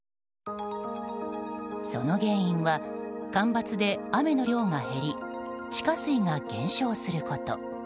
その原因は干ばつで雨の量が減り地下水が減少すること。